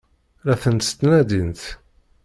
La tent-ttnadint?